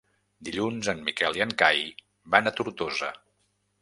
Dilluns en Miquel i en Cai van a Tortosa.